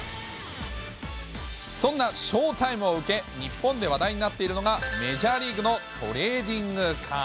そんな賞タイムを受け、日本で話題になっているのがメジャーリーグのトレーディングカー